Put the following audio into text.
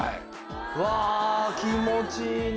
うわ気持ちいいな